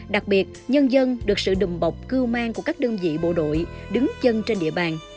đặc biệt nhân dân được sự đùm bọc cưu mang của các đơn vị bộ đội đứng chân trên địa bàn